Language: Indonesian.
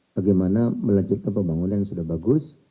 bagaimana melecehkan pembangunan yang sudah bagus